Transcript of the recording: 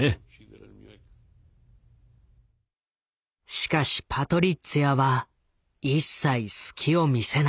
しかしパトリッツィアは一切隙を見せない。